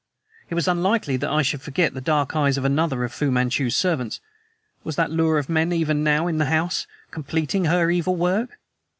It was unlikely that I should forget the dark eyes of another of Fu Manchu's servants. Was that lure of men even now in the house, completing her evil work?